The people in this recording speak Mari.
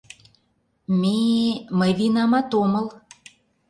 Мэ-э... мый винамат омыл...